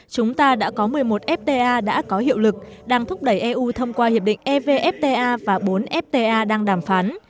chúng ta đã có một mươi một fta đã có hiệu lực đang thúc đẩy eu thông qua hiệp định evfta và bốn fta đang đàm phán